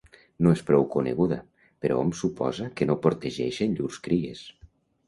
No és prou coneguda, però hom suposa que no protegeixen llurs cries.